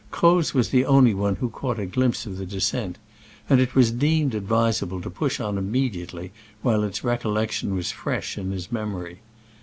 Croz was the only one who caught a glimpse of the descent, and it was deemed advisable to push on immediately while its recollection was fresh in his memory.